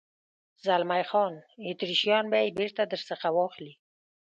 زلمی خان: اتریشیان به یې بېرته در څخه واخلي.